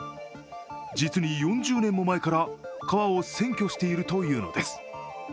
実に４０年も前から川を占拠しているというのです。